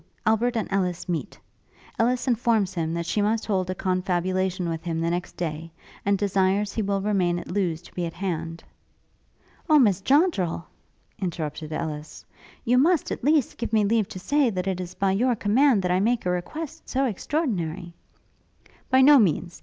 Albert and Ellis meet. Ellis informs him that she must hold a confabulation with him the next day; and desires that he will remain at Lewes to be at hand. ' 'Oh, Miss Joddrel!' interrupted Ellis, 'you must, at least, give me leave to say, that it is by your command that I make a request so extraordinary!' 'By no means.